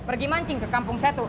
pergi mancing ke kampung saya tuh